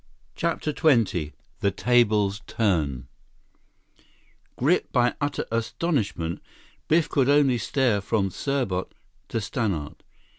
CHAPTER XX The Tables Turn Gripped by utter astonishment, Biff could only stare from Serbot to Stannart.